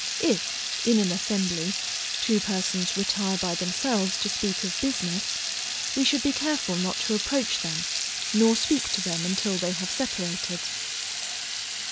If, in an assembly, two persons retire by themselves to speak of business, we should be careful not to approach them, nor speak to them until they have separated.